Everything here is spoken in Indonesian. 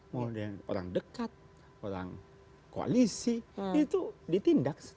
mau dengan orang dekat orang koalisi itu ditindak